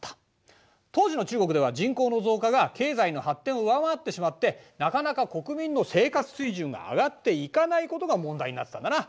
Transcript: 当時の中国では人口の増加が経済の発展を上回ってしまってなかなか国民の生活水準が上がっていかないことが問題になってたんだな。